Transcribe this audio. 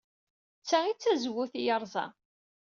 D ta ay d tazewwut ay yerẓa.